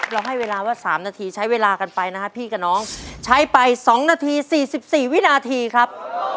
ให้เวลาว่า๓นาทีใช้เวลากันไปนะครับพี่กับน้องใช้ไป๒นาที๔๔วินาทีครับ